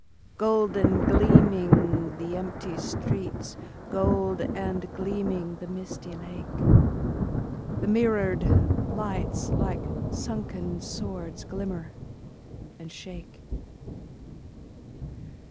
Gold and gleaming the empty streets, Gold and gleaming the misty lake, The mirrored lights like sunken swords, Glimmer and shake.